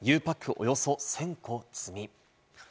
およそ１０００個を積み。